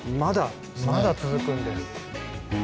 まだ続くんです。